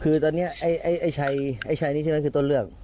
คือตอนนี้ไอ้ชัยไอ้ชัยนี้ใช่มั้ยก็ตัวเลือก